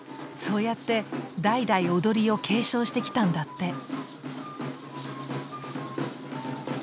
そうやって代々踊りを継承してきたんだって。